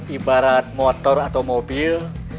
ibarat motor atau mobil